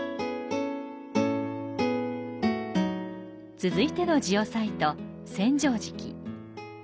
続いてのジオサイト、千畳敷。